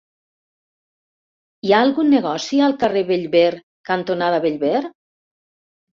Hi ha algun negoci al carrer Bellver cantonada Bellver?